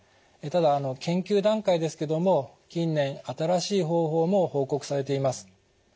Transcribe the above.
ただ研究段階ですけども近年新しい方法も報告されています。